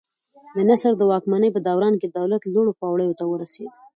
د نصر د واکمنۍ په دوران کې دولت لوړو پوړیو ته ورسېد.